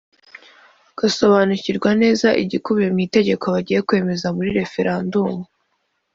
bagasobanukirwa neza igikubiye mu itegeko bagiye kwemeza muri referandumu